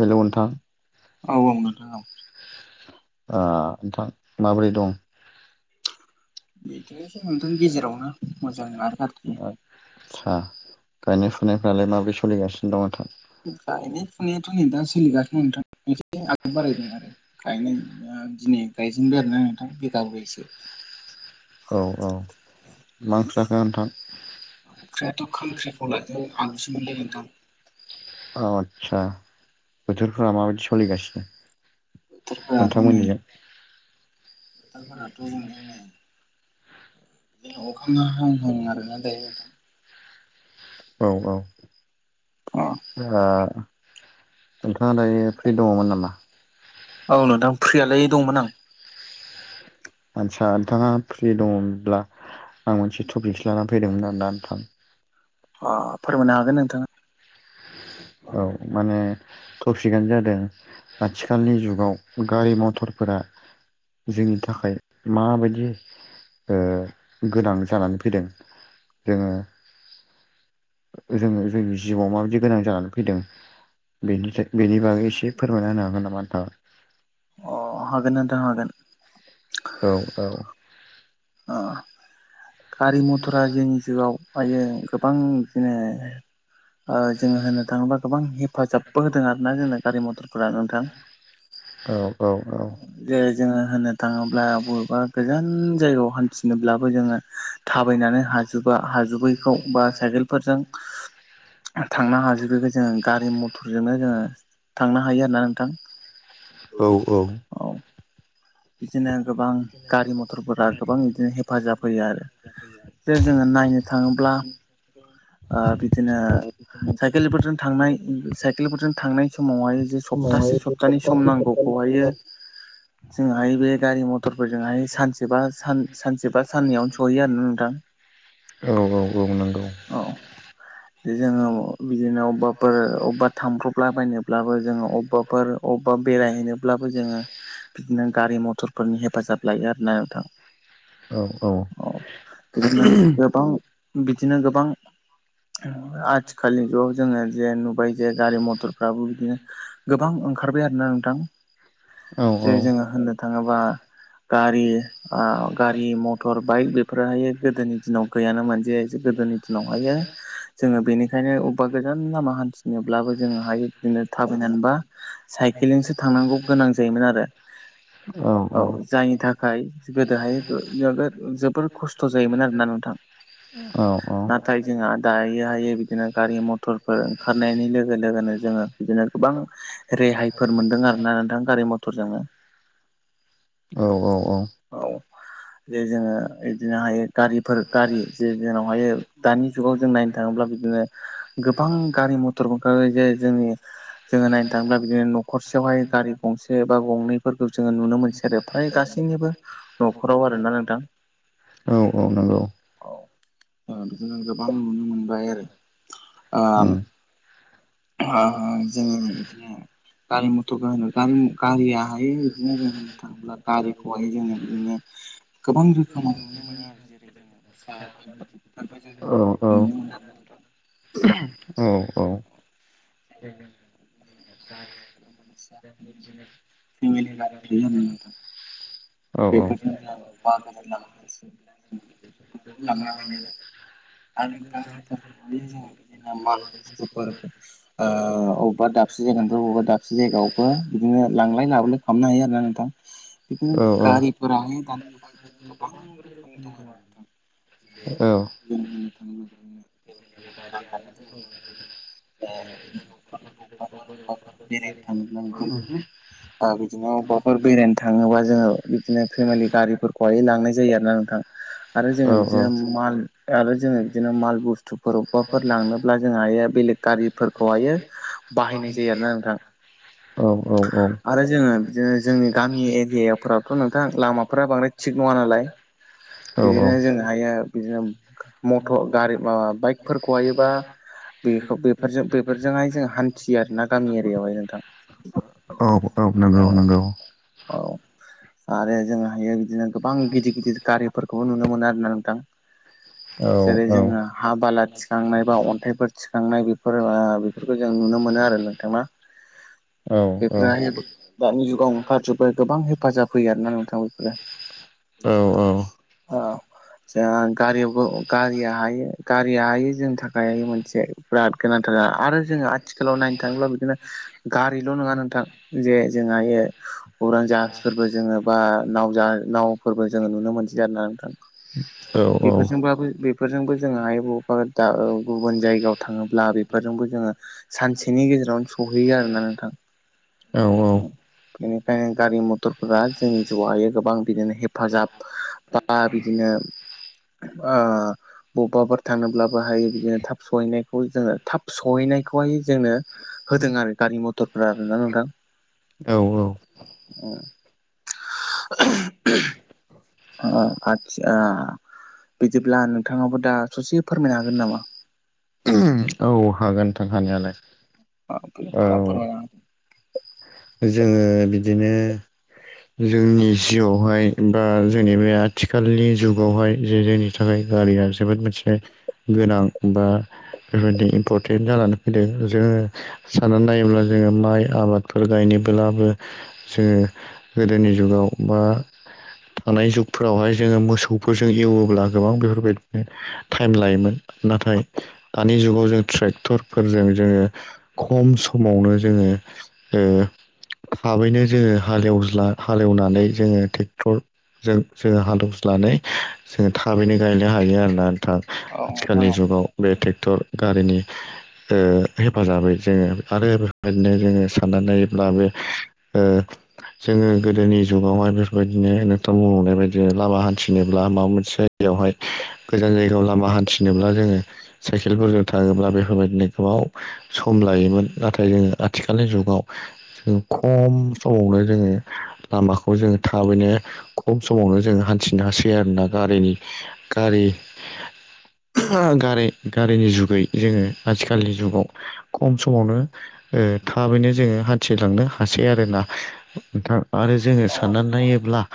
हेल' नोंथां औ ओ औ नोंथां औ नोंथां माबोरै दं बिदिनोसै नोंथांनि गेजेरावनो मोजां आरो गाज्रि आसा गायनाय फुनायफ्रालाय माबि सोलिगासिनो दं नोंथां गायनाय फुनायावथ' नै दा सोलिगा थ नोंथां आग बारायदों आरो गायनाय दिनै गायजेनबाय आरो ना नोंथां बिगाब्रैसो औ- औ मा ओंख्रि जाखो नोंथां ओंख्रिथ' खांख्रिखौलाजों आलुसोमोनलै नोंथां औ आस्सा बोथोरफोरा माबायदि सोलिगासिनो नोंथांमोननिजों [unintelligible] लााथु म [unintelligible] आरोना दायोनोंथा औ - अ औ आ नोंथाङा दायो फ्रि दङमोन नामा औ नोंथां फ्रियालाय दंमोन आं आटसा नोंथाङा फ्रि दं अब्ला आं मोनसे टपिकस लानानै फैदोंमोन आरो ना नोंथां अ फोरमायनो हागोन नोंथाङा औ माने तफिकानो जादों आथिखालनि जुगाव गारि मथरफोरा जोंनि थाखाय माबायदि ओ गोनां जानानै फैदों जोङो जोङो जोंनि जिउआव मार बि गोनां जानानै फैदों बेनिफाय बेनि बागै एसे फोरमायना होनो हागोन नामा नोंथाङा अ हागोन नोंथां हागोन औ- औ अ गारि - मथरा जोंनि जुगाव आयो गोबां बिदिनो ओ जोङो होनो थाङोबा गोबां हेफाजाबबो होदों आरोना जोंना गारि मथरफोरा नोंथां औ औ जे जोङो होननो थाङोब्ला बबेबा गोजान जायगायाव हान्थिनोब्लाबो जोङो थाबायनानै हाजोबा हाजोबैखौ बा साइकेलफोरजों थांनो हाजोबखो जोङो गारि मथरजोंनो जोङो थांनो हायो आरोना नोंथां औ - औ बिदिनो गोबां गारि - मथरफोरा गोबां बिदिनो हेफाजाब होयो आरो जे जोङो नायनो थाङोब्ला ओ बिदिनो साइकेलफोरजों थांनाय साइकेलफोरजों थांनाय समावहाय सप्तासे सप्तानि सम नांगौखौहायो बे गारि - मथरफोरजोंहाय सानसेबा सान सानसेबा साननैयावनो सहैयो आरो नोंथां औ - औ - औ नंगौ औ जोङो बिदिनो अबेबाफोर अबेबा थांब्रबला बायनोब्लाबो जोङो अबेबाफोर अबेबा बेरायहैनोब्लाबो जोङो बिदिनो गारि - मथरफोरनि हेफाजाब लायो आरोना नोंथां औ- औ बिदिनो गोबां बिदिनो गोबां आथिखालनि जुगाव जोङो जे नुबाय जे गारि - मथरफ्राबो बिदिनो गोबां ओंखार बैआरोना नोंथां औ औ जे जोंङो होननो थांङोबा गारि ओ गारि मटर बाइक बेफोरहाय गोदोनि दिनाव गैयानो जे जों गोदोनि दिनावहायो जोंङो बेनिखायनो अबेबा गोजान लामा हान्थिनोब्लाबो जोंङोहायो बिदिनो थाबायनानैबा साइ खिलिंसो थांनांगौ गोनां जायोमोन आरो औ जायनि थाखाय गोदोहाय नोगोद जोबोर खस्थ जायोमोन आरोना नोंथां औ औ नाथाय जोंहा दायो हायै बिदिनो गारि मथरफोर ओंखारनायनि लोगो लोगोनो जोंङो बिदिनो गोबां रेहायफोर मोन्दों आरोना नोंथां गारि मथरजोंनो औ औ औ जे जोङो बिदिनोहाय गारिफोर गारि जे जोंनावहायो दानि जुगाव जों नायनो थांङोब्ला बिदिनो गोबां गारि मथरबो ओंखारबाय जे जोंङो जोङो नायनो थांङोब्ला बिदिनो नख'र सेयावहाय गारि गंसे बा गंनैफोरखौ जोंङो नुनो मोनसै आरो फ्राय गासैनिबो न'खराव आरोना नोंथां औ औ नांगौ ओ बिदिनो गोबां नुनो मोनबाय आरो उम ओ जों बिदिनो गारि मथरखौ होनो गारि गारियाहाय बिदिनो जों होननो थांङोब्ला गारिखौहाय जोंङो बिदिनो गोबां रोखोमाव नुनो मोनो आरो जे ओरै जोंङो फिसा गिदिरफोरबो जों औ नुनो औ औ मोनोआरोना नोंथां औ [unintelligible] [inaudible] [unintelligible] थायोआरोना नोंथां [unintelligible] आरो गारिफोरखौहाय जोंङो बिदिनो माल बुस्थुफोर ओ अबेबा दाब दाबसे जायगानिफ्राय' बबेबा दाबसे जायगायावबो बिदिनो लांलाय लाबोलाय खालामनो हायो आरो ना नोंथां बिदिनो गारिफोराहाय दानि जुगाव बिदिनो गोबां रोखोमनि दं आरो नोंथां जेरै औ [inaudible] जों होननो थाङोब्ला बिदिनो [inaudible] ओ औ बिदिनो अबाफोर बेरायनो थांङोबा जोंङो बिदिनो फेमेलि गारिफोरखौहाय लांनाय जायो आरोना नोंथां आरो जोंङो बिदिनो माल आरो जोंङो बिदिनो माल बुस्थुफोर अबाफोर लांनोब्ला जों हायो आरो बेलेग गारिफोरखौहायो बाहायनाय जायो आरोना नोंथां [unintelligible] आरो जोंङो बिदिनो जोंनि गामि एरियायाव फोरावथ नोंथां लामाफोरा बांद्राय थिग नंङा नालाय औ बिदिनो जों हायो बिदिनो मथर गारि माबा बाइकफोरखौहायोबा बेखौ बेफोरजों बेफोरजोंहाय जों हान्थियो आरो ना गामि एरियायावहाय नोंथां औ औ औ नंगौ नंगौ औ आरो जोंङोहायो बि बिदिनो गोबां गिदिर गिदिर गारिफोरखौबो नुनो मोनो आरोना नोंथां [inaudible] जेरै औ जोंङो हा बाला थिखांनाय बा अन्थाइफोर थिखांनाय बेफोर ओ बेफोरखौ जों नुनो मोनो नों आरो नोंथां ना [inaudible] औ औ बेफोरहाय दानि जुगाव ओंखारजोबबाय गोबां हेब हेफाजाब होयो आरोना नोंथां बेफोरो औ। जा गारियावबो गारिया हायो गारिया हायो जोंनि थाखाय मोनसे बिराद गोनांथार आरो जोङो आथिखालाव नायनो थाङोब्ला बिदिनो गारिल' नङा नोंथां जे जोंहायो उरां जाहाज फोरबो जोङो बा नाव नावफोरबो जोङो नुनो मोनसै आरा नोंथां? औ बेफोरजोंबाबो बेफोरजोंबो जोहा बबेबा गुबुन जायगायाव थाङोब्ला बेफोरजोंबो जोङो सानसेनि गेजेरावनो सहै यो आरोना नोंथां। [inaudible] बेनिखाय गारि मथर फोरा जोंनि जिउहायो गोबां बिदिनो हेफाजाब बा बिदिनो ओह बबेबाफोर थाङोब्लाबोहाय बिदिनो थाब सहैनायखौ जोङो थाब सहैनायखौहाय जोङो होदों आरो गारि मथरफोरा आरोना नोंथां? औ। [inaudible] अ आतसा बिदिब्ला नोंथाङाबो दा ससे फोरमायनो हागोन नामा? उम औ हागोन नोंथां हानायालाय। औ [inaudible] जोङो बिदिनो जोंनि जिउआवहाय बा जोंनि बे आथिखालनि जुगावहाय जे जोंनि थाखाय गारिया जोबोद मोनसे गोनां बा बेबायदि इम्परटेन्ट जानानै फैदों जोङो साननानै नायोब्ला जोङो माइ आबाद फोर गायनोब्लाबो जोङो गोदोनि जुगाव बा थानाय जुगफोरावहाय जोङो मोसौफोरजों एवोब्ला, गोबां बेफोरबायदिनो टाइम लायोमोन। नाथाय दानि जुगाव जों ट्रेक्टरफोरजों जोङो खम समावनो जोङो ओ थाबैनो जोङो हालेवज्ला हालेवनानै जोङो ट्रेक्टरजों जोङो हालेवनानै जोङो थाबैनो गायनो हायो आरोना नोंथां होदो औ नोंथां आथिखालनि औ जुगाव बे मटर गारिनि ओ हेफाजाबै जोङो आरो बेबायदिनो जोङो खानानै नायब्ला बे ओ जोङो गोदोनि जुगावहाय बेफोरबायदिनो नोंथां बुंहरनाय बायदि लामा हान्थिनोब्ला माबा मोनसे जायगायावहाय गोजान जायगायाव लामा लामा हान्थिनोब्ला जोङो साइकेलफोरजों थाङोब्ला बेफोरबायदिनो गोबाव सम लायोमोन नाथाय। नाथाय जोङो आथिखालनि जुगाव जों खम समावनो जोङो लामाखौ जोङो थाबैनो खम समावनो जोङो हान्थिनो हासै आरो ना? गारिनि गारि गारि गारिनि जुगै जोङो आथिखालनि जुगाव खम समावनो ओ थाबैनो जोङो हान्थिलांनो हासै आरो ना आरो जोङो औ साननानै नोंथां औ नायोब्ला [inaudible]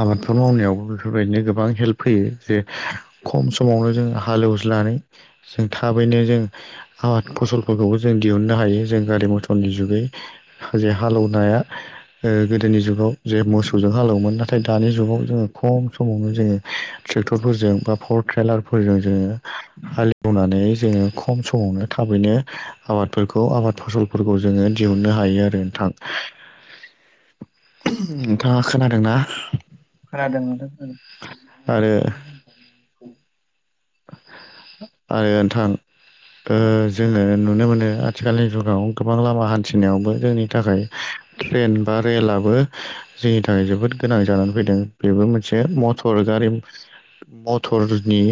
आबादफोर मावनायावबो बेफोरबायदिनो गोबां हेल्प फैयो जे खम समावनो जों हालेवज्लायनानै जों थाबैनो जों आबाद फसलफोरखौबो जों दिहुननो हायो जों गारि मथर नि जुगै जे हालेवनाया ओ गोदोनि जुगाव जे मोसौजों हालेवोमोन नाथाय दानि जुगाव जोङो खम समावनो जोङो ट्रेक्टरफोरजों बा पावार ट्रेलारफोरजों जोङो हालेवनानै जोङो खम समावनो थाबै नो आबादफोरखौ आबाद फसल फोरखौ जोङो दिहुननो हायो आरो नोंथां। नोंथाङा खोनादोंना? खोनादों नोंथां खोनादों आरो आरो नोंथां ओ जोङो नुनो मोनो आथिखालनि जुगाव गोबां लामा हान्थिनायावबो जोंनि थाखाय ट्रेन बा रेलआबो जोंनि थाखाय जोबोद गोनां जानानै फैदों बेबो मोनसे मटर गारि मथरनि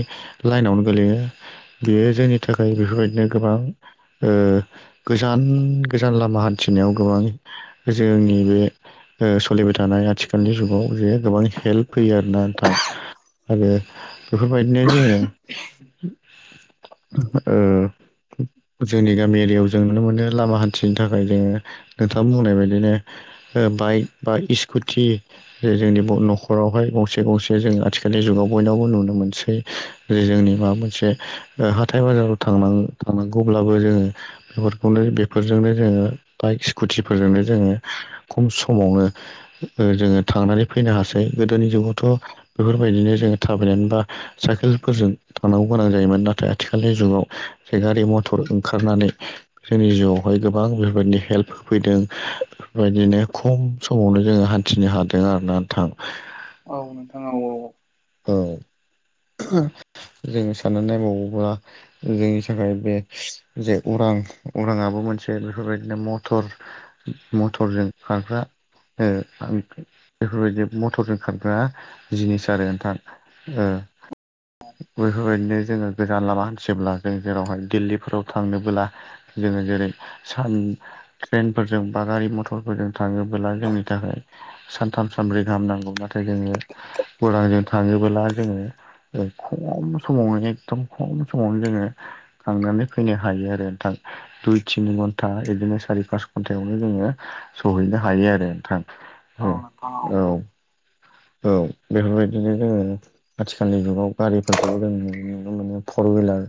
लाइनावनो गोलैयो बेयो जोंनि थाखाय बेफोरबायदिनो गोबां ओ गोजान गोजान लामा हान्थिनायाव गोबां जोंनि बे ओ सोलिबाय थानाय आथिखालनि जुगाव जे गोबां हेल्प होयो आरोना नोंथां। आरो बेफोरबायदिनो जोङो ओ जोंनि गामि एरियायाव जों नुनो मोनो लामा हान्थिनो थाखाय जोङो नोंथाङा बुंनाय बायदिनो ओ बाइक बा स्कुटि जोंनि न'खरावहाय गंसे गंसे जों आथिखालनि जुगाव बयनावबो नुनो मोनसै। जेरै जेनेबा मोनसे ओ हाथाय बाजाराव थांनां थांनांगौब्लाबो जोङो बेफोरखौनो बेफोरजोंनो जोङो बाइक स्कुटिफोरजोंनो जोङो खम समावनो जोङो थांनानै फैनो हासै गोदोनि जुगावथ' बेफोरबायदिनो जोङो थाबायनानै बा साइकेल फोरजों थांनांगौ गोनां जायोमोन नाथाय आथिखालनि जुगाव जे गारि मथर ओंखारनानै जों मिरुआवहाय गोबां बेफोरबायदिनो हेल्प होफैदों बेफोरबायदिनो खम समावनो जोङो हान्थिनो हादों आरोना नोंथां। औ नोंथां औ औ औ। औ [inaudible] जोङो साननानै नायबावोब्ला जोंनि थाखाय बे जे अरां अरांआबो मोनसे बेफोरबायदिनो मटर मटरजों खारग्रा ओ आं बेफोरबायदि मथरजों खारग्रा जिनिस आरो नोंथां ओ [inaudible] बेफोरबायदिनो जोङो गोजान लामा हान्थिब्ला जों जेरावहाय दिल्लीफोराव थांनोबोला जोङो जेरै सान ट्रेनफोरजों बा गारि मटरफोरजों थाङोबोला जोंनि थाखाय सानथाम थाम सानब्रै गाहाम नांगौ नाथाय जोङो उरांजों थाङोबोला जोङो खम समावनो एखदम खम समावनो जोङो थांनानै फैनो हायो आरो नोंथां दुइ तिन घन्ट ता बिदिनो सारि पास घन्टायावनो जोङो सहैनो हायो आरो नोंथां औ औ। औ बेफोरबायदिनो जोङो आथिखालनि जुगाव गारिफोरखौ जों नुनो मानो फर हुइलार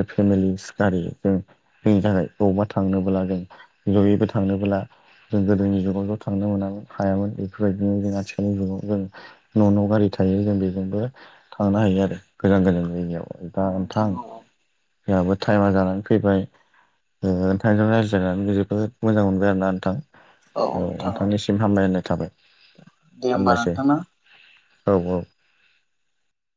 बे फेमिलि गारि जों जोंनि थाखाय बबावबा थांनोबोब्ला जों जयैबो थांनोबोला जों गोदोनि जुगाव ज' थांनो मोनामोन हायामोन बेफोरबायदिनो जों आथिखालनि जुगाव जों न' न' गारि थ थायो जों बेजोंबो थांनो हायो आरो गोजान गोजान जायगायाव दा नोंथां जोंहाबो टाइमा जानानै फैबाय ओ नोंथांजों रायज्लायनानै जोबोद मोजां मोनबाय आरोना नोंथां। औ नोंथांनिसिम हामलायनाय थाबाय। दे होमबा हामबायसै नोंथां ना। औ औ।